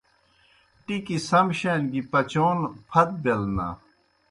ٹِکیْ سم شان گیْ پچون پھت بیْل نا۔